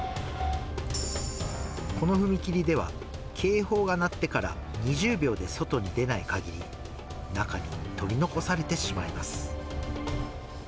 この踏切では、警報が鳴ってから２０秒で外に出ないかぎり、中に取り残されてしまいます。